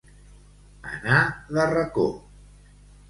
Anar de racó.